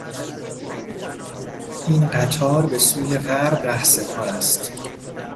این قطار به سوی غرب رهسپار است.